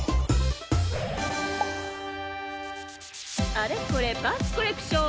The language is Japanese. あれこれパンツコレクション！